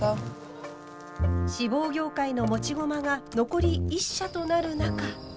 志望業界の持ち駒が残り１社となる中。